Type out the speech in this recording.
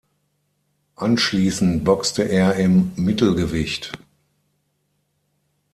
Anschließend boxte er im Mittelgewicht.